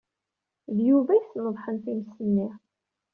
D Yuba ay yesnedḥen times-nni.